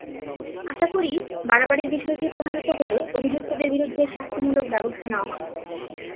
আশা করি, বাড়াবাড়ির বিষয়টি প্রমাণিত হলে অভিযুক্তদের বিরুদ্ধে শাস্তিমূলক ব্যবস্থা নেওয়া হবে।